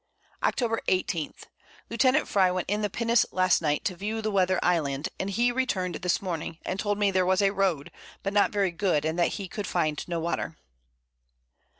Octob. 18. Lieutenant Fry went in the Pinnace last Night to view the Weather Island, and he returned this Morning, and told me there was a Road, but not very good and that he could find no Water.